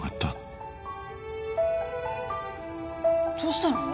どうしたの？